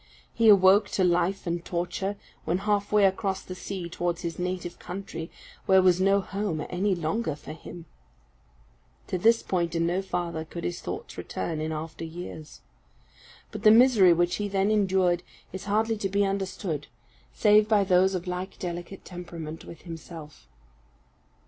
He awoke to life and torture when half way across the sea towards his native country, where was no home any longer for him. To this point, and no farther, could his thoughts return in after years. But the misery which he then endured is hardly to be understood, save by those of like delicate temperament with himself.